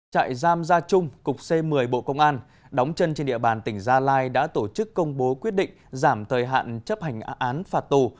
trại giam gia trung cục c một mươi bộ công an đóng chân trên địa bàn tỉnh gia lai đã tổ chức công bố quyết định giảm thời hạn chấp hành án phạt tù